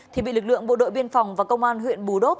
thì bị lực lượng bộ đội biên phòng và công an huyện bù đốp